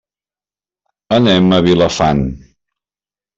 Anem a Vilafant.